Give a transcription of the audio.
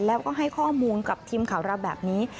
แล้วก็ให้ข้อมูลกับทีมข่าวเราแบบนี้